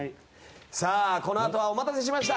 このあとはお待たせしました。